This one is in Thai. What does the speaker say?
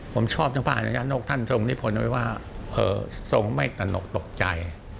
ผมชอบทุกภาพอย่างนอกท่านทรงนิพพลไว้ว่าทรงไม่กระหนกตกใจ